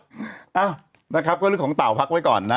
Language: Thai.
เอ้านะครับก็เรื่องของเต่าพักไว้ก่อนนะ